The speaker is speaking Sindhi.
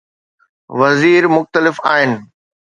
وزير مختلف آهن.